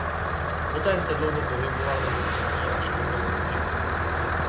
Poté se dlouho pohyboval mezi třetí a čtvrtou soutěží.